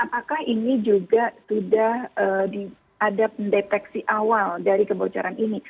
apakah ini juga sudah ada pendeteksi awal dari kebocoran ini